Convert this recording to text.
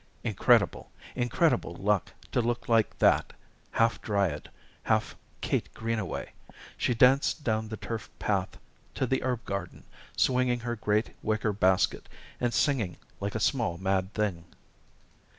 Incredible, incredible luck to look like that, half Dryad, half Kate Greenaway she danced down the turf path to the herb garden, swinging her great wicker basket and singing like a small mad thing.